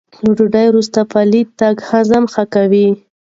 له ډوډۍ وروسته پلی تګ هاضمه ښه کوي.